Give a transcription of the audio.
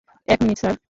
এক minute sir.